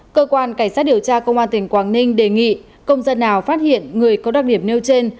cơ quan cảnh sát điều tra công an tỉnh quảng ninh đề nghị công dân nào phát hiện người có đặc điểm nêu trên